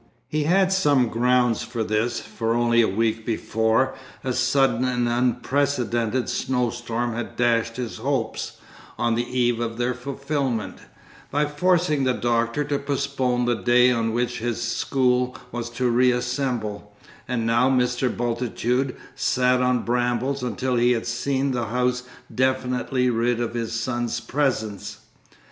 He had some grounds for this, for only a week before, a sudden and unprecedented snowstorm had dashed his hopes, on the eve of their fulfilment, by forcing the Doctor to postpone the day on which his school was to re assemble, and now Mr. Bultitude sat on brambles until he had seen the house definitely rid of his son's presence.